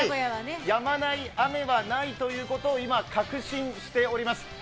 「やまない雨はない」ということを今確信しております。